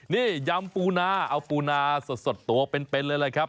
นี่ยำปูนาเอาปูนาสดตัวเป็นเลยแหละครับ